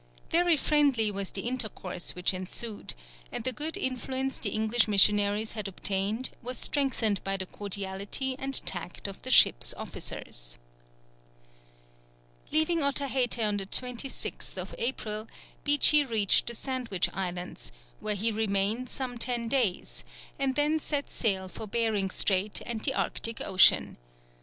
Very friendly was the intercourse which ensued, and the good influence the English missionaries had obtained was strengthened by the cordiality and tact of the ship's officers. Leaving Otaheite on the 26th April, Beechey reached the Sandwich Islands, where he remained some ten days, and then set sail for Behring Strait and the Arctic Ocean.